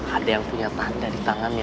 ada yang punya tanda di tangannya